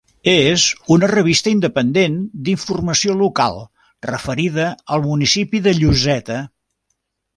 És una revista independent d'informació local referida al municipi de Lloseta.